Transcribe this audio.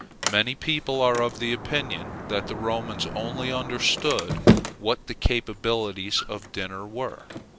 Many people are of opinion that the Romans only understood what the capabilities of dinner were.